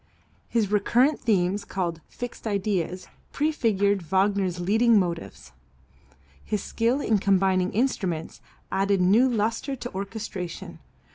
His recurrent themes, called "fixed ideas," prefigured Wagner's "leading motives." His skill in combining instruments added new lustre to orchestration.